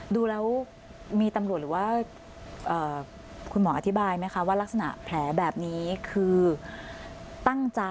ดูแล้วมีตำรวจหรือว่าคุณหมออธิบายไหมคะว่ารักษณะแผลแบบนี้คือตั้งใจ